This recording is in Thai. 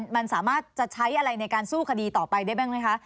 มันสามารถจะใช้อะไรในการสู้คดีต่อไปได้บ้างไหมคะ